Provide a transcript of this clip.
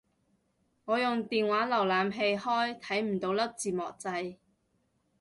我用電話瀏覽器開睇唔到粒字幕掣